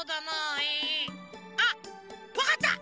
えあっわかった！